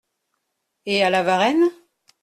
Et à La Varenne ?